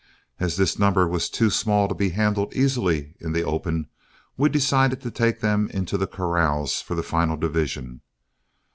As this number was too small to be handled easily in the open, we decided to take them into the corrals for the final division.